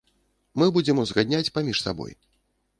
Мы будзем узгадняць паміж сабой.